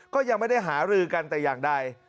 ก็ยังไม่ได้หารือกันแต่อย่างใด